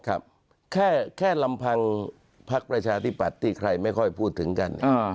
ครับแค่ลำพังพักประชาธิปัตย์ที่ใครไม่ค่อยพูดถึงกัน